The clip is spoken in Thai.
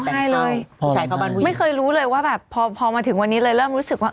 เข้าบ้านผู้หญิงไม่เคยรู้เลยว่าแบบพอพอมาถึงวันนี้เลยเริ่มรู้สึกว่า